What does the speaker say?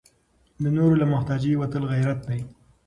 د نورو له محتاجۍ وتل غیرت دی.